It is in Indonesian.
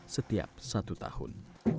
setiap satu tahun